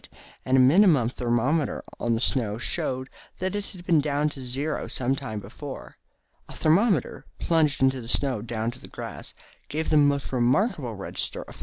and a minimum thermometer on the snow showed that it had been down to zero some time before. A thermometer, plunged into the snow down to the grass, gave the most remarkable register of 32°.